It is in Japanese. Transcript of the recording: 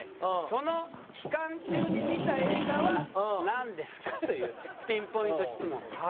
その期間中に見た映画はなんですか？というピンポイント質問です。